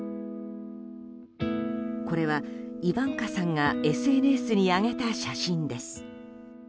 これは、イバンカさんがＳＮＳに上げた写真です。